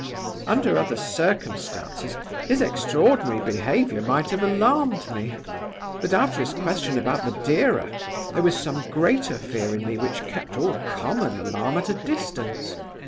"Under other circumstances, his extraordinary behavior might have alarmed me. But after his question about Madeira, there was some greater fear in me which kept all common alarm at a distance.